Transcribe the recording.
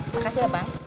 makasih ya bang